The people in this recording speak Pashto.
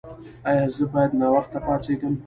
ایا زه باید ناوخته پاڅیږم؟